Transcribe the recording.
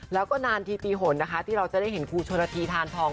แล้วก็นานทีปีหนที่เราจะได้เห็นครูชวนธีธานทอง